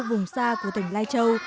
vùng xa của tỉnh lai châu